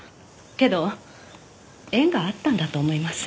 けど縁があったんだと思います。